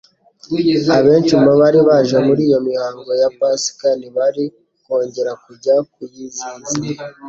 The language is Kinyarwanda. Abenshi mu bari baje muri iyo mihango ya Pasika, ntibari kongera kujya kuyizihiza.